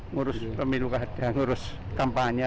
ngurus pembidikan ngurus kampanye